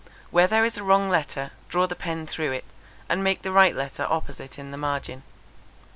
Where there is a wrong letter, draw the pen through it, and make the right letter opposite in the margin.